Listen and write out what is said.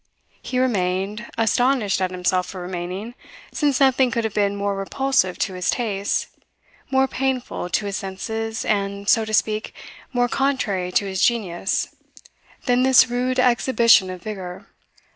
He remained, astonished at himself for remaining, since nothing could have been more repulsive to his tastes, more painful to his senses, and, so to speak, more contrary to his genius, than this rude exhibition of vigour.